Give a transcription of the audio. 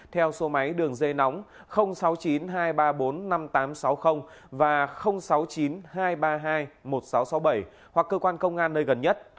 theo số máy đường dây nóng sáu mươi chín hai trăm ba mươi bốn năm nghìn tám trăm sáu mươi và sáu mươi chín hai trăm ba mươi hai một nghìn sáu trăm sáu mươi bảy hoặc cơ quan công an nơi gần nhất